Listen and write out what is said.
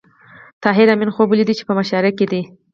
طاهر آمین خوب ولید چې په مشاعره کې دی